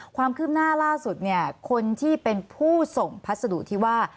ความขึ้นหน้าล่าสุดคนที่เป็นผู้ส่งพัสดุที่ว่า